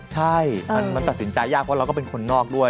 ใช่มันตัดสินใจยากเพราะเราก็เป็นคนนอกด้วย